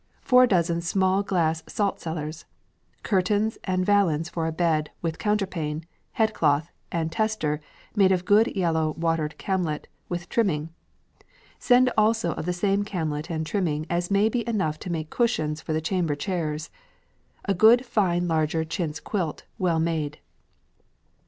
Four Duzen small glass salt cellars, Curtains and Vallens for a Bed with Counterpane, Head Cloth, and Tester made of good yellow watered camlet with Trimming. Send also of the same camlet and trimming as may be enough to make cushions for the chamber chairs. A good fine larger Chintz quilt, well made."